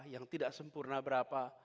yang tidak sempurna berapa